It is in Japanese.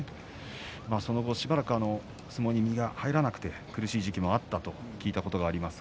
その後しばらく相撲に身が入らなくて苦しい時期があったと聞いたことがあります。